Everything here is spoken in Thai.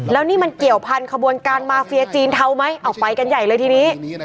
แล้วนี่มันเกี่ยวพันธบวนการมาเฟียจีนเทาไหมเอาไปกันใหญ่เลยทีนี้